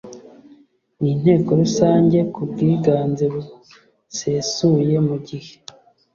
n inteko rusange ku bwiganze busesuye mu gihe